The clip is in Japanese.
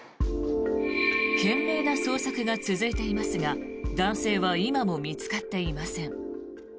懸命な捜索が続いていますが男性は今も見つかっていません。